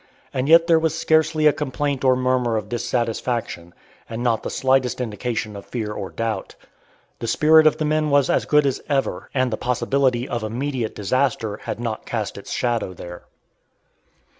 And yet there was scarcely a complaint or murmur of dissatisfaction, and not the slightest indication of fear or doubt. The spirit of the men was as good as ever, and the possibility of immediate disaster had not cast its shadow there.